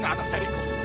saya bukan pembunuh